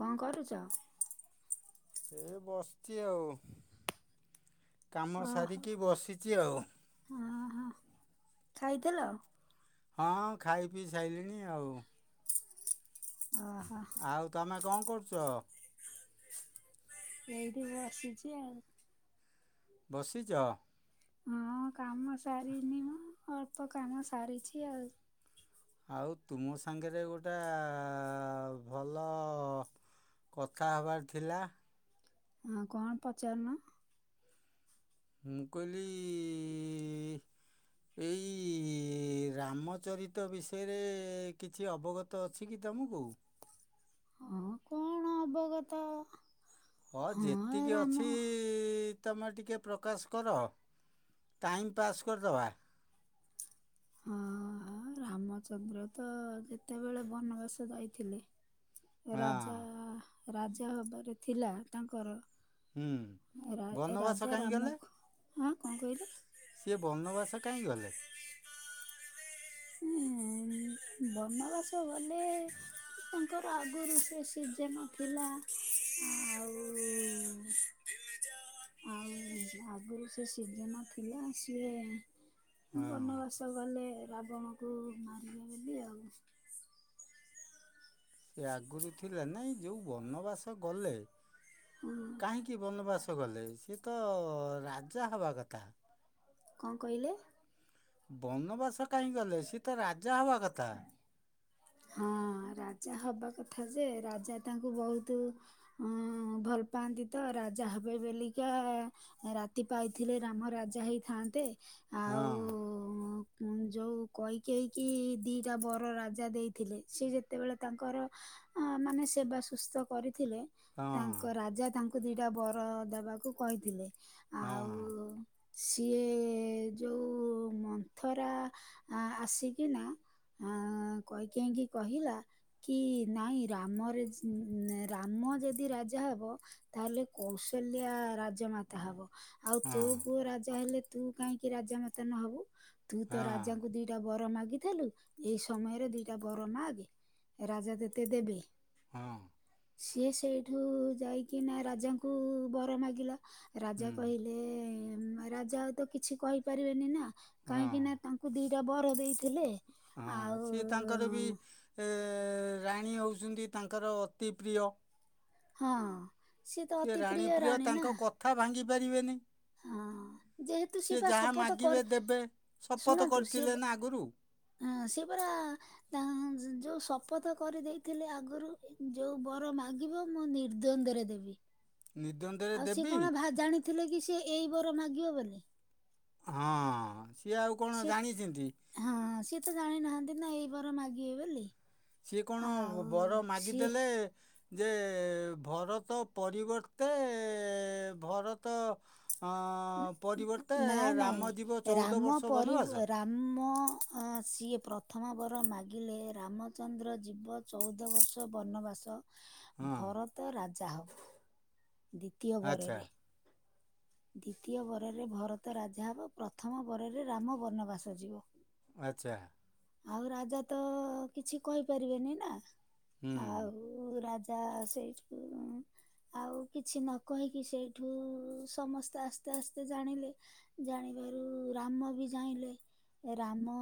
କଁ କରୁଚ? ଏ ବସଚି ଆଉ, କାମ ସାରିକି ବସିଚି ଆଉ। ହଁ ହଁ ଖାଇଥିଲ? ହଁ ଖାଇ ପିଇ ସାଇଲିଣି ଆଉ। ଅ ହଁ। ଆଉ ତମେ କଁ କରୁଚ? ଏଇଠି ବସିଚି ଆଉ। ବସିଚ। ହଁ କାମ ସାରିନି ମୁଁ ଅଳ୍ପ କାମ ସାରିଚି ଆଉ। ଆଉ ତୁମ ସାଙ୍ଗରେ ଗୋଟେ ଭଲ କଥା ହବାର ଥିଲା। ହଁ କଣ ପଚାରନ। ମୁ କହିଲି ଏଇ ରାମଚରିତ ବିଷୟରେ କିଛି ଅବଗ ତ ଅଛି କି ତମକୁ? ହଁ କଣ ଅବଗତ ହ ହଁ ଯେତିକି ରାମ ଅଛି ଇ ତମେ ଟିକେ ପ୍ରକାଶ କର ଟାଇମ୍ ପାସ୍ କରଦବା। ହଁ ରାମଚନ୍ଦ୍ର ତ ଯେତେବେଳେ ବନବାସ ଯାଇଥିଲେ। ରାଜା ହଁ ରାଜା ହବାରେ ଥିଲା ତାଙ୍କର। ହୁଁ ରା ବନବାସ ରାଜା କାହିଁ ଗଲେ ରାମ ଅଁ କଁ କହିଲେ? ସିଏ ବନବାସ କାଇଁ ଗଲେ? ଉଁ ବନବାସ ଗଲେ ତାଙ୍କର ଆଗରୁ ସେ ସିଜନ ଥିଲା ଆଉ ଆଉ ଆଗରୁ ସେ ସିଜନ ଥିଲା ସିଏ ହଁ ବନବାସ ଗଲେ ରାବଣକୁ ମାରିବେ ବୋଲି। ଆଉ। ସେ ଆଗରୁ ଥିଲା ନାଇଁ ଯୋଉ ବନବାସ ଗଲେ ହୁଁ କାହିଁକି ବନବାସ ଗଲେ ସିଏ ତ ରାଜା ହବା କଥା। କଁ କହିଲେ? ବନବାସ କାହିଁ ଗଲେ ସିଏ ତ ରାଜା ହବା କଥା? ହଁ ରାଜା ହବା କଥା ଯେ ରାଜା ତାଙ୍କୁ ବହୁତୁ ଉଁ ଭଲ ପାଆନ୍ତି ତ ରାଜା ହେବେ ବେଲିକା ରାତି ପାଇଥିଲେ ରାମ ରାଜା ହେଇଥାନ୍ତେ। ହଁ। ଓ ଯୋଉ କଇକେଇ କି ଦିଟା ବର ରାଜା ଦେଇଥିଲେ ସେ ଯେତେବେଳେ ତାଙ୍କର ଅ ମାନେ ସେବା ସୁସ୍ଥ କରିଥିଲେ। ହଁ ତାଙ୍କ ରାଜା ତାଙ୍କୁ ଦିଟା ବର ଦବାକୁ କହିଥିଲେ। ଆଉ ହଁ। ସିଏ ଯୋଉ ମନ୍ଥରା ଆସିକିନା କୈକେୟୀ ଙ୍କୀ କହିଲା କି ନାଇଁ ରାମରେ ରାମ ଯଦି ରାଜା ହବ ତାହେଲେ କୌଶଲ୍ୟା ରାଜମା ତା ହବ ଆଉ ତୋ ହଁ ପୁଅ ରାଜା ହେଲେ ତୁ କାହିଁକି ରାଜା ମାତା ନହବୁ ତୁ ତ ରାଜା ହଁ ଦିଟା ବର ମାଗିଥିଲୁ ଏଇ ସମୟରେ ଦିଟା ବର ମାଗେ ରାଜା ତତେ ଦେବେ। ହଁ। ସିଏ ସେଇଠୁ ଯାଇକି ନା ରାଜାଙ୍କୁ ବର ମାଗିଲା ହୁଁ ରାଜା କହିଲେ ସେ ରାଜା ତ ଆଉ କିଛି କହିପାରିବେନି ନା ହଁ କାହିଁକି ନା ତାଙ୍କ କୁ ଦିଟା ବର ଦେଇଥିଲେ ହଁ ସିଏ ତାଙ୍କର ବି ଆଉ ଏ ରାଣୀ ହେଉଛନ୍ତି ତାଙ୍କର ଅତି ପ୍ରିୟ। ହଁ ସିଏ ତ ଅତି ପ୍ରିୟ ରାଣୀ ନା। କଥା ଭାଙ୍ଗିପାରିବେନି। ହଁ ଯେହେତୁ ସିଏ ବା ଯାହା ଶପଥ କରି ମାଗିବେ ଦେବେ ଶପଥ ଶୁଣନ୍ତୁ ସିଏ କରିଥିଲେ ବା- ନା ଆଗରୁ। ହଁ ସେ ପୁରା ତା ଯୋଉ ଶପଥ କରିଦେଇଥିଲେ ଆଗରୁ ଯୋଉ ବର ମାଗିବ ମୁଁ ନିର୍ଦ୍ଵନ୍ଦରେ ଦେବି ନିଦ୍ୱନ୍ଦରେ ଆଉ ସେ ଦେବି କଣ ଭା ଜାଣି ଥିଲେ କି ସେ ଏଇ ବର ମାଗିବ ବୋଲି। ହଁ ସିଏ ଆଉ କଣ ସିଏ ଜାଣିଛନ୍ତି। ହଁ ସିଏ ତ ଜାଣିନାହାନ୍ତି ନା ଏଇ ବାର ମାଗିବେ ବୋଲି। ସିଏ କଣ ଆଉ ବର ସିଏ ମାଗିଦେଲେ ଯେ ଭରତ ପରିବର୍ତ୍ତେ ଏ ଭରତ ହଁ ପରିବର୍ତ୍ତେ ନାଇଁ ରାମଜୀବ ଚଉଦ ବର୍ଷ ବନବାସ। ମୋ ହ ସିଏ ପ୍ରଥମ ବର ମାଗିଲେ ରାମଚନ୍ଦ୍ର ଜୀବ ଚଉଦ ବର୍ଷ ବନବାସ। ହଁ ଭରତ ରାଜା ହବ ଦ୍ଵିତୀୟ ବର ଆଚ୍ଛା ରେ। ଦ୍ଵିତୀୟ ବରରେ ଭରତ ରାଜା ହେବ ପ୍ରଥମ ବରରେ ରାମ ବନବାସ ଯିବ। ଆଚ୍ଛା। ଆଉ ରାଜା ତ କିଛି କହିପାରିବେନି ନା। ହୁଁ। ଆଉ ରାଜା ସେଇଠୁ ଆଉ କିଛି ନ କହିକି ସେଇଠୁ ସମସ୍ତେ ଆସ୍ତେ ଆସ୍ତେ ଜାଣିଲେ। ଜାଣିବାରୁ ରାମ ବି ଚାହିଁଲେ ରାମ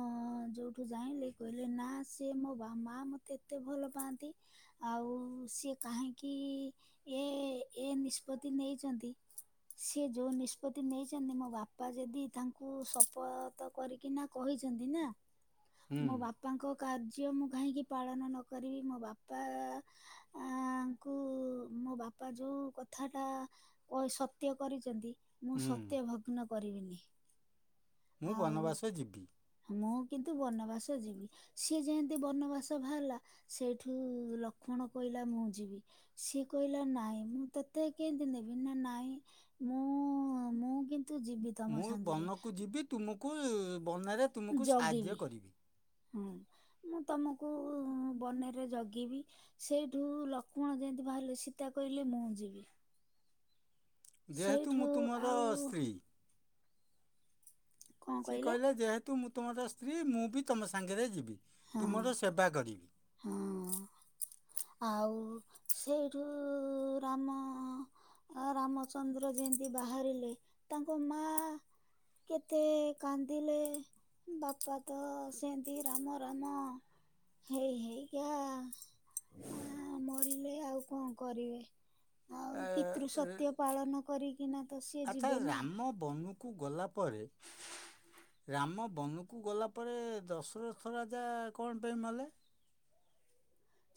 ଯୋଉ ଠୁ ଜାଇଲେ କହିଲେ ନା ସିଏ ମୋ ମା ମତେ ଏତେ ଭଲ ପାଆନ୍ତି। ଆଉ ସିଏ କାହିଁକି ଏ ଏ ନିଷ୍ପତ୍ତି ନେଇଛନ୍ତି। ସେ ଯୋଉ ନିଷ୍ପତି ନେଇଛନ୍ତି ମୋ ବାପା ଯଦି ତାଙ୍କୁ ଶପଥ ତ କରିକି ନା କହିଛନ୍ତି ନା ହୁଁ ମୋ ବାପାଙ୍କ କାର୍ଯ୍ୟ ମୁଁ କାହିଁକି ପାଳନ ନ କରିବି ମୋ ବାପା ଆଙ୍କୁ ମୋ ବାପା ଯୋଉ କଥା ଟା ସତ୍ୟ କରିଛନ୍ତି ମୁଁ ହୁଁ ସତ୍ୟ ଭଗ୍ନ କରିବିନି। ମୁଁ ଆଉ ବନବାସ ଯିବି। ମୁଁ କିନ୍ତୁ ବନବାସ ଯିବି ସିଏ ଯେମିତି ବନବାସ ବାହାରିଲା। ସେଇଠୁ ଲକ୍ଷ୍ମଣ କହିଲା ମୁଁ ଯିବି। ସିଏ କହିଲା ନାଇଁ ମୁଁ ତତେ କେନତି ନେବି ନା ନାଇଁ ମୁଁ ମୁଁ କିନ୍ତୁ ଯିବି। ତମ ମୁଁ ସାଙ୍ଗରେ ବନକୁ ଯିବି ତୁମକୁ ବନରେ ତୁମକୁ ଯଗିଵି ସାହାଯ୍ୟ କରିବି ହୁଁ। ମୁଁ ତୁମକୁ ବନରେ ଜଗିବି। ସେଇଠୁ ଲକ୍ଷ୍ମଣ ଯେମିତି ବାହାରିଲେ ସୀତା କହିଲେ ମୁଁ ଯିବି। ଯେହେତୁ ସେଇଠୁ ମୁଁ ତୁମର ଆଉ ସ୍ତ୍ରୀ। ସିଏ କହିଲେ ଯେହେତୁ ମୁଁ ତୁମର ସ୍ତ୍ରୀ ମୁଁ ବି ତମ ସାଙ୍ଗରେ ଯିବି, ହଁ ତୁମର ସେବା କରିବି। ହଁ ଆଉ ସେଇଠୁ ରାମ। ଆ ରାମଚନ୍ଦ୍ର ଯେମିତି ବାହାରିଲେ ତାଙ୍କ ମାଆ। କେତେ କାନ୍ଦିଲେ। ବାପା ତ ସେନତି ରାମ ରାମ ହେଇ ହେଇ ହେଇକା। ହଁ। ମରିଲେ ଆଉ କଣ କରିବେ? ଆଉ ପିତୃ ସତ୍ୟ ପାଳନ କରିକିନା ତ ସିଏ ଯିବେ ନା। ବନୁକୁ ଗଲା ପରେ। ରାମ ବନୁକୁ ଗଲା ପରେ ଦଶରଥ ରାଜା କଣ ପାଇଁ ମଲେ?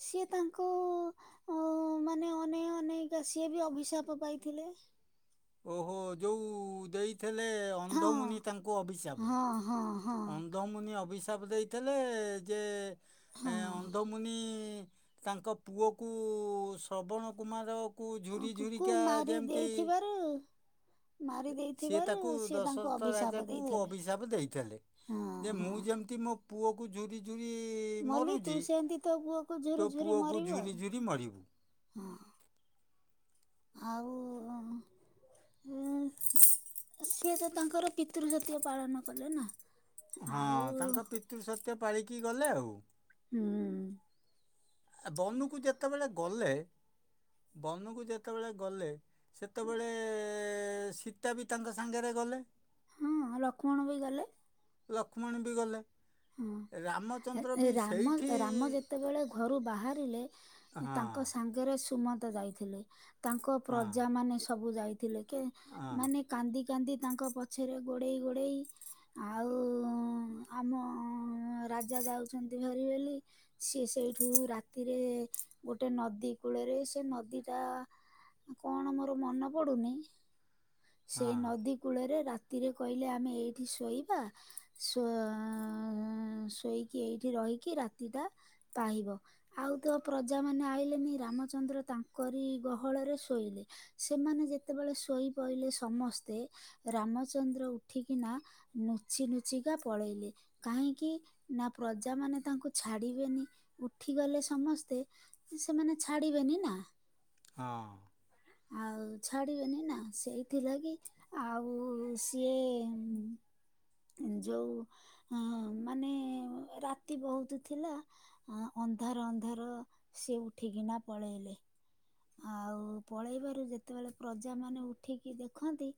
ସିଏ ତାଙ୍କୁ ଅଉ ମାନେ ଅନେଇ ଅନେଇକା ସିଏ ବି ଅଭିଶାପ ପାଇଥିଲେ। ଓହୋ ଯୋଉ ଦେଇଥେଲେ ହଁ ଅନ୍ଧମୁନି ତାଙ୍କୁ ଅଭିଶାପ। ହଁ ହଁ ହଁ ଅନ୍ଧ ଅନ୍ଧମୁନି ଅଭିଶାପ ଦେଇଥିଲେ ଯେ ଏ ଅନ୍ଧମୁନି। ତାଙ୍କ ପୁଅକୁ ଶ୍ରବଣ କୁମାରକୁ ହଁ ଝୁରି କୁକୁ ଝୁରିକା ମାରି ଯେମିତି। [unintelligible] ସିଏ ତାକୁ ସିଏ ତାଙ୍କୁ ଦଶରଥ ଅଭିଶାପ ରାଜାକୁ ଦେଇଥିଲେ। ଅଭିଶାପ ଦେଇଥେଲେ ହଁ ଯେ ହଁ ମୁଁ ଯେମି ତି ମୋ ପୁଅ କୁ ଝୁରି ଝୁରି ମଲ୍ଲି ତୁ ମରୁଛି, ସେମିତି ତୋ ପୁଅକୁ ଝୁରି ତୋ ଝୁରି ପୁଅ କୁ ମରିବୁ ଆଉ। ଝୁରି ଝୁରି ମରିବୁ। ହଁ। ଆଉ ହଁ ହଁ। ସିଏ ତ ତାଙ୍କର ପିତୃ ସତ୍ୟ ପାଳନ କଲେ ନା। ହଁ ଆଉ ତାଙ୍କ ପିତୃ ସତ୍ୟ ପାଳିକି ଗଲେ ଆଉ। ହୁଁ। ବନୁକୁ ଯେତେବେଳେ ଗଲେ, ବନୁକୁ ଯେତେବେଳେ ଗଲେ। ସେତେବେଳେ ସୀତା ବି ତାଙ୍କ ସାଙ୍ଗରେ ଗଲେ। ହଁ, ଲକ୍ଷ୍ମଣ ବି ଗଲେ। ଲକ୍ଷ୍ମଣ ବି ଗଲେ। ହଁ ରାମଚନ୍ଦ୍ର ରା ବି ରାମ ସେଇଠି ରାମ ଯେତେବେଳେ ଘରୁ ବାହାରିଲେ ତାଙ୍କ ହଁ ସାଙ୍ଗ ଆଗରେ ସୁମନ୍ତ ଯାଇଥିଲେ, ତାଙ୍କ ପ୍ରଜା ହଁ ମାନେ ସବୁ ଯାଇଥିଲେ। କେ ହଁ ମାନେ, କାନ୍ଦି କାନ୍ଦି ତାଙ୍କ ପଛରେ ଗୋଡ଼େଇ ଗୋଡ଼େଇ ଆଉ ଆମ। [unintelligible] ରାଜା ଯାଉଛନ୍ତିଭାରି ବୋଲି। ସିଏ ସେଇଠୁ ରାତିରେ ଗୋଟେ ନଦୀ କୂଳରେ ସେ ନଦୀଟା। କଣ ମୋର ମନେ ପଡୁନି ସେଇ ହଁ ନଦୀ। କୂଳରେ ରାତିରେ କହିଲେ ଆମେ ଏଇଠି ଶୋଇବା। ଶୋ ଉଁ ଉଁ। ଶୋଇକି ଏଇଠି ରହିକି ରାତିଟା ପାହିବ। ଆଉ ତ ପ୍ରଜା ମାନେ ଆଇଲେନି ରାମଚନ୍ଦ୍ର ତାଙ୍କରି ଗହଳରେ ଶୋଇଲେ। ସେମାନେ ଯେତେବେଳେ ଶୋଇପଇଲେ ସମସ୍ତେ। ରାମଚନ୍ଦ୍ର ଉଠିକିନା ନୁଚି ନୁଚିକା ପଳେଇଲେ। କାହିଁକି, ନା ପ୍ରଜା ମାନେ ତାଙ୍କୁ ଛାଡିବେନି ଉଠିଗଲେ ସମସ୍ତେ। ସେମାନେ ଛାଡିବେନି ନା। ହଁ। ଆଉ ଛାଡିବେନି ନା ସେଇଥିଲାଗି ଆଉ ସିଏ, ଯୋଉ ଅ ମାନେ ରାତି ବହୁତ ଥିଲା ଅ ଅନ୍ଧାର ଅନ୍ଧାର ସିଏ ଉଠିକିନା ପଳେଇଲେ। ଆଉ ପଳେଇବାରୁ ଯେତେବେଳେ ପ୍ରଜା ମାନେ ଉଠିକି ଦେଖନ୍ତି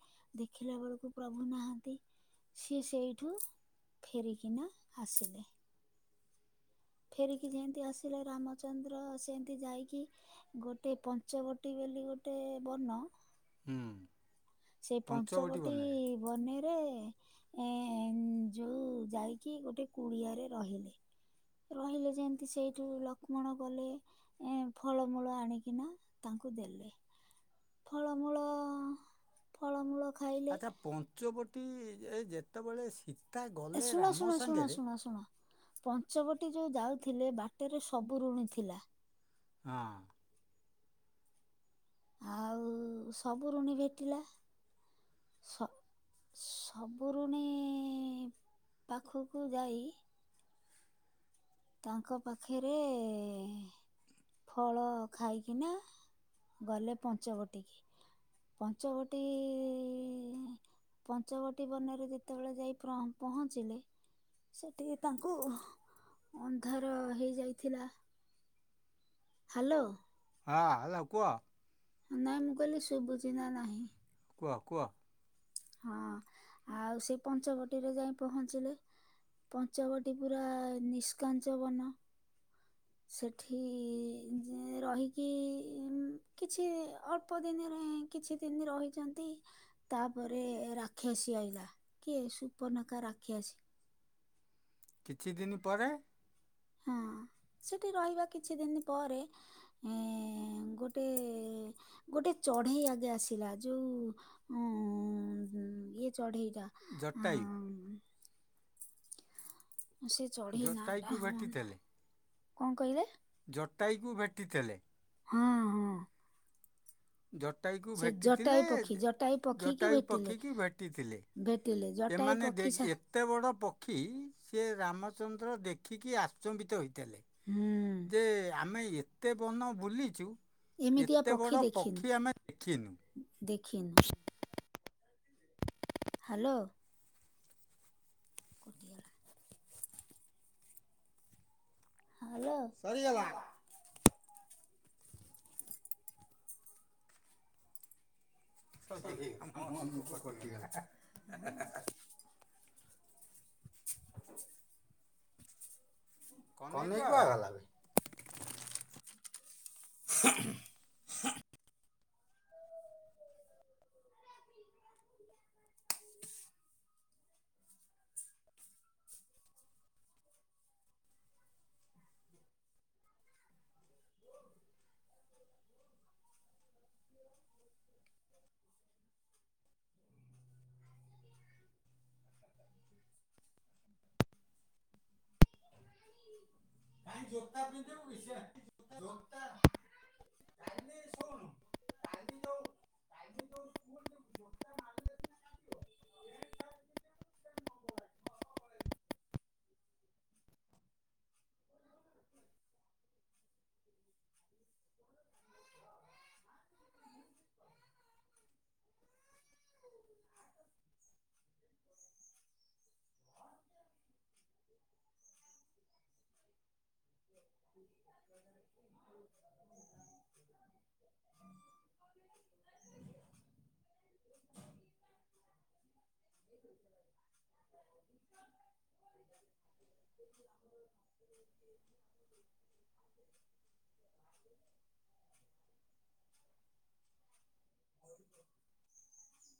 ଦେଖିଲା ବେଳକୁ ପ୍ରଭୁ ନାହାନ୍ତି ସିଏ ସେଇଠୁ ଫେରିକନା ଆସିଲେ। ଫେରିକି ଯେନ୍ତି ଆସିଲେ ରାମଚନ୍ଦ୍ର ସେନ୍ତି ଯାଇକି ଗୋଟେ ପଞ୍ଚବଟୀ ବୋଲି ଗୋଟେ ବନ ହୁଁ। ସେ ପଞ୍ଚବଟୀ ବନେରେ ଏଁ ଯୋଉ ଯାଇକି ଗୋଟେ କୁଡିଆରେ ରହିଲେ। ରହିଲେ ଯେନ୍ତି ସେଇଠୁ ଲକ୍ଷ୍ମଣ ଗଲେ। ଏଁ ଫଳମୂଳ ଆଣିକିନା ତାଙ୍କୁ ଦେଲେ ଫଳମୂଳ ଫଳମୂଳ ଖାଇ ଆଚ୍ଛା ପଞ୍ଚବଟୀ ଏ ଯେତେବେଳେ ଶୀ ଏ ଶୁଣ ଶୁଣ ଶୁଣ ଶୁଣ ଶୁଣ ପଞ୍ଚବଟୀ ଯୋଉ ଯାଉଥିଲେ ବାଟରେ ସବୁ ଋଣୀ ଥିଲା। ଆ। ଆଉ ସବୁ ଋଣୀ ଭେଟିଲା। ସବୁଋଣୀ ପାଖକୁ ଯାଇ ତାଙ୍କ ପାଖରେ ଫଳ ଖାଇକିନା ଗଲେ ପଞ୍ଚବଟୀ କି। ପଞ୍ଚବଟୀ ପଞ୍ଚବଟୀ ବନରେ ଯେତେବେଳେ ଯାଇ ପହଞ୍ଚିଲେ ସେଠିକି ତାଙ୍କୁ ଅନ୍ଧାର ହେଇଯାଇଥିଲା। ହାଲୋ। ହଁ ହାଲୋ କୁହ? ନାହିଁ ମୁଁ କଇଲି ଶୁଭୁଚିନା ନାହିଁ? କୁଅ କୁଅ? ହଁ ଆଉ ସେ ପଞ୍ଚବଟୀରେ ଯାଇ ପହଞ୍ଚିଲେ। ପଞ୍ଚବଟୀ ପୁରା ନିଷ୍କାଞ୍ଚ ବନ। ସେଠି ରହିକି କିଛି ଅଳ୍ପ ଅଳ୍ପ ଦିନରେ କିଛି ଦିନ ରହିଛନ୍ତି। ତାପରେ ରାକ୍ଷସୀ ଆଇଲା କିଏ ସୁପନକା ରାକ୍ଷସୀ। କିଛି ଦିନ ପରେ ହଁ ସେଠି ରହିବା କିଛି ଦିନ ପରେ ଏଁ ଗୋଟେ ଗୋଟେ ଚଢେଇ ଆଗେ ଆସିଲା ଯୋଉ ଉଁ ଇଏ ଚଢେଇ ଟା। ଜଟାଇ। ସେ ଚଢେଇ ନା ଟା ଜଟାୟୁକୁ ମନେ ନାଇଁ କଣ କହିଲେ? ଜଟାଇକୁ ଭେଟିଥେଲେ। ହଁ ହଁ। ଜଟାୟୁକୁ ସେ ଜଟାଇ ଭେଟିଥିଲେ ପକ୍ଷୀ ଜ- ଜଟାଇ ପକ୍ଷୀକି ଜଟାୟୁ ଭେଟିଲେ। ପକ୍ଷୀକି ଭେଟିଥିଲେ ଭେଟିଲେ ଜଟାଇ ଏମାନେ ପକ୍ଷୀ ଦେଖ- ସା ଏତେ ବଡ଼ ପକ୍ଷୀ ସିଏ ରାମଚନ୍ଦ୍ର ଦେଖିକି ଆଶ୍ଚମ୍ବିତ ହେଇଥେଲେ। ହୁଁ। ଯେ ଆମେ ଏତେ ବନ ବୁଲିଛୁ ଏମିତିଆ ଏତେ ବଡ଼ ପକ୍ଷୀ ଆମେ ଦେଖିନୁ। ଦେଖିନ? ହ୍ୟାଲୋ କଟିଗଲା ହ୍ୟାଲୋ ସରିଗଲା। ସରି ସରିଗଲା ତା ମୋ ଅନୁକୁ ମନକୁ କଟିଗଲା। କହ୍ନେଇ କନେଇକୁ କୁଆଡ଼େ ଆଗଲା ଗଲା? ବେ ଭାଇ ଜୋତା ପି ଦେବ ବି ସେ ଜୋତା କାଲି ଶୁଣୁ କାଲି ଯୋଉ ସ୍କୁଲ ଯିବୁ ହ [unintelligible]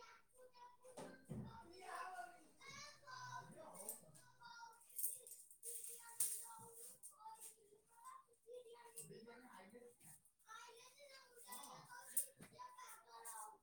ୟାକୁ ଦବୁ ନି କହୁଚି [unintelligible] [unintelligible] ହଉ ହଁ ହଁ।